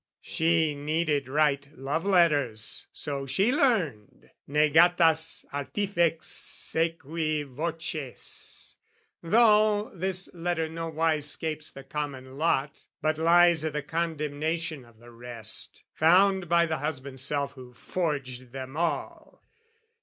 She needed write love letters, so she learned, "Negatas artifex sequi voces" though This letter nowise 'scapes the common lot, But lies i' the condemnation of the rest, Found by the husband's self who forged them all.